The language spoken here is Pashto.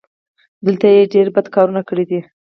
دلته یې ډېر بد کارونه کړي دي.